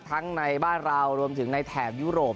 ในบ้านเรารวมถึงในแถบยุโรป